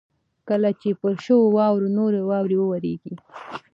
کله چې پر شوې واوره نوره واوره ورېږي.